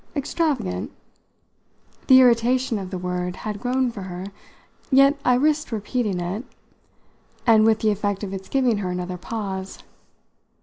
"Extravagant?" The irritation of the word had grown for her, yet I risked repeating it, and with the effect of its giving her another pause.